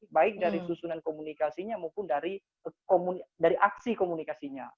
baik dari susunan komunikasinya maupun dari aksi komunikasinya